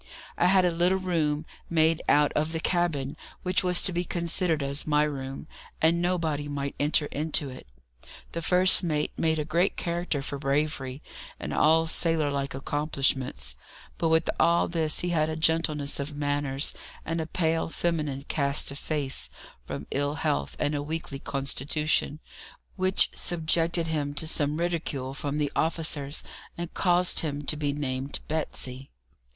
I had a little room made out of the cabin, which was to be considered as my room, and nobody might enter into it. The first mate made a great character for bravery, and all sailor like accomplishments; but with all this he had a gentleness of manners, and a pale, feminine cast of face, from ill health and a weakly constitution, which subjected him to some ridicule from the officers, and caused him to be named Betsy.